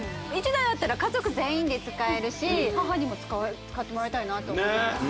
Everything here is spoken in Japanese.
１台あったら家族全員で使えるし母にも使ってもらいたいなと思います